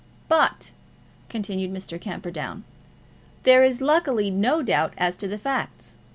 "But," continued Mr. Camperdown, "there is luckily no doubt as to the facts.